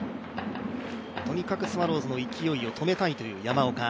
とにかくスワローズの勢いを止めたいという山岡。